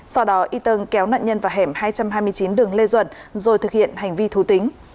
sau đó y tân kéo nạn nhân vào hẻm hai trăm hai mươi chín đường lê duẩn rồi thực hiện hành vi thú tính